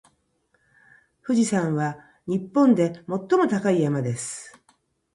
富士山は日本で最も高い山です。